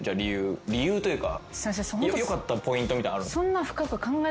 理由というかよかったポイントみたいなの。